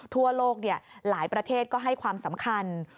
ทั่วโลกหลายประเทศก็ให้ความสำคัญ